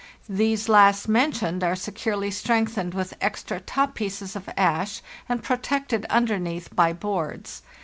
These last mentioned are secure ly strengthened with extra top pieces of ash, and_pro tected underneath by boards.